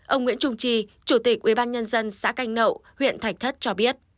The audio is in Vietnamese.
ông nguyễn trung trì chủ tịch ubnd xã canh nậu huyện thạch thất cho biết